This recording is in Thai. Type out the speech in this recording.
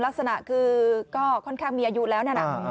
ลักษณะคือก็ค่อนข้างมีอายุแล้วนั่นน่ะ